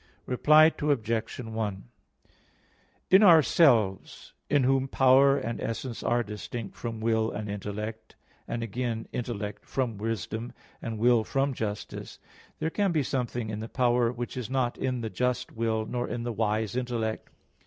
Reply Obj. 1: In ourselves, in whom power and essence are distinct from will and intellect, and again intellect from wisdom, and will from justice, there can be something in the power which is not in the just will nor in the wise intellect.